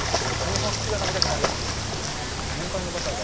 日本酒が飲みたくなるやつ。